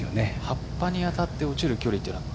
葉っぱに当たって落ちる距離というのは。